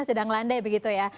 sedang landai begitu ya